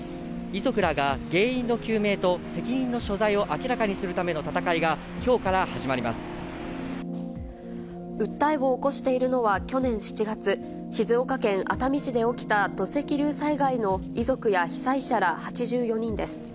遺族らが原因の究明と責任の所在を明らかにするための戦いが、訴えを起こしているのは去年７月、静岡県熱海市で起きた土石流災害の遺族や被災者ら８４人です。